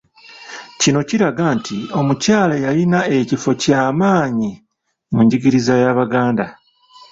Kino kiraga nti omukyala yalina ekifo ky’amaanyi mu njigiriza y’Abaganda.